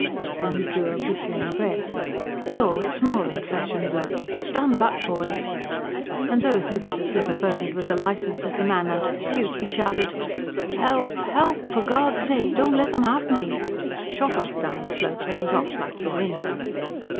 Then he drew a whistling breath. "No, it's more than flesh and blood .... Stand back, boys!" And though he was as little burdened with a licence as the man under pursuit, he shouted: "Help, help! ... for God's sake, don't let 'em have me!" shot down the slope, and was off like the wind.